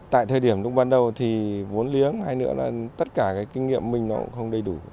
tại thời điểm lúc ban đầu thì vốn liếng hay nữa là tất cả kinh nghiệm mình không đầy đủ